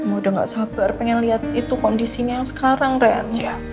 udah gak sabar pengen lihat itu kondisinya yang sekarang rehat